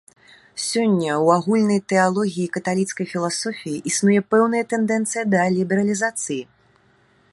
Сёння ў агульнай тэалогіі і каталіцкай філасофіі існуе пэўная тэндэнцыя да лібералізацыі.